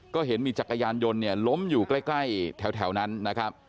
ก็เห็นมีจักรยานยนต์เนี่ยล้มอยู่ใกล้แถวนั้นนะครับ